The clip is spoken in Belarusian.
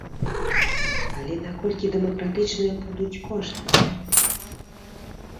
Але наколькі дэмакратычныя будуць кошты?